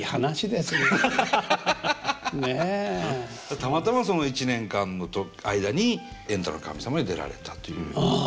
たまたまその一年間の間に「エンタの神様」に出られたという。